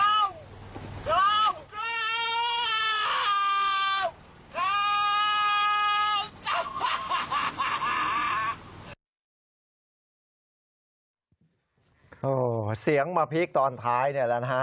โอ้วเสียงมาพีคตอนท้ายนี้แล้วนะ